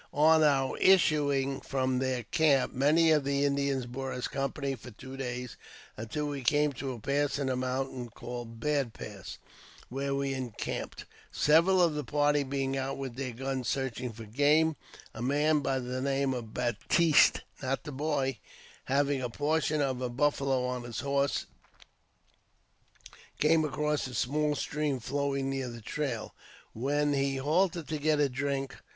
On our issuing from their camp, many of the Indians bore us company for two days, until we came to a pass in the mountains called Bad Pass, where we encamped. Several of. JAMAIS P. BECKWOUBTH. 83 the party being out with their guns searching for game, a man by the name of Baptiste — not the boy — having a portion of a buffalo on his horse, came across a small stream flowing near the trail, when he halted to get a drink.